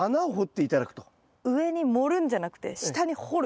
上に盛るんじゃなくて下に掘る。